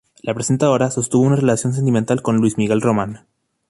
La presentadora sostuvo una relación sentimental con Luis Miguel Román.